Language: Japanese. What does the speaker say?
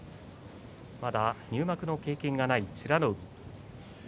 まだ入幕の経験がない美ノ海。